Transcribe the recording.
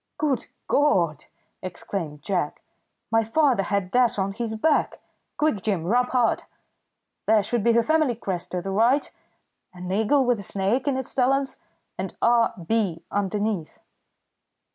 "Good God!" exclaimed Jack. "My father had that on his back. Quick, Jim, rub hard! There should be the family crest to the right an eagle with a snake in its talons and R. B. underneath."